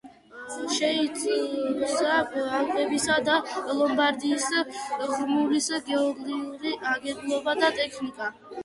შეისწავლა ალპებისა და ლომბარდიის ღრმულის გეოლოგიური აგებულება და ტექტონიკა.